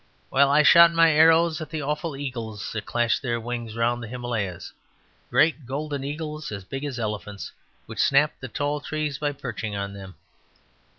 Well, I shot my arrows at the awful eagles that clash their wings round the Himalayas; great golden eagles as big as elephants, which snap the tall trees by perching on them.